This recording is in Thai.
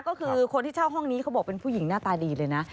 ก็คือคนที่เช่าห้องนี้เขาบอกเป็นผู้หญิงหน้าตาดีเลยนะ